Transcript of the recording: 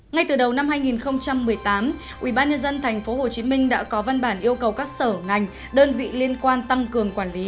ngay từ đầu năm hai nghìn một mươi tám ubnd tp hcm đã có văn bản yêu cầu các sở ngành đơn vị liên quan tăng cường quản lý